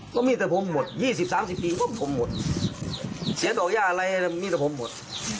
ก็มีแต่ผมหมด๒๐๓๐ปีปุ๊บผมหมดเสียดอกย่าอะไรมีแต่ผมหมด